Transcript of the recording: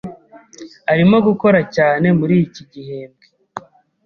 Arimo gukora cyane muri iki gihembwe.